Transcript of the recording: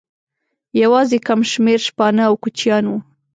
یوازې کم شمېر شپانه او کوچیان وو.